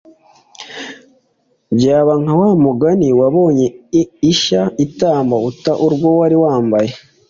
byaba nka wa mugani: “wabonye isha itamba uta n’urwo wari wambaye!”